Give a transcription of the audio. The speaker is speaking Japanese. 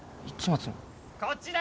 ・こっちだ！